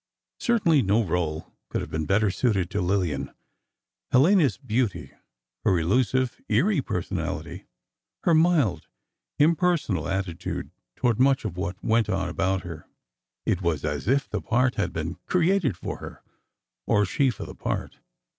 Certainly, no rôle could have been better suited to Lillian. Helena's beauty, her elusive, eerie personality, her mild, impersonal attitude toward much of what went on about her—it was as if the part had been created for her, or she for the part.